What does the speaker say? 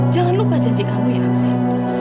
jangan lupa janji kamu ya asin